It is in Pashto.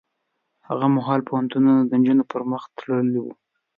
هغه مهال پوهنتونونه د نجونو پر مخ تړلي وو.